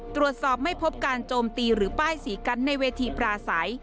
ตรวจสอบไม่พบการโจมตีหรือป้ายสีกันในเวทีปราศัย